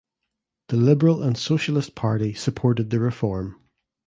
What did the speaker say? The Liberal and Socialist party supported the reform.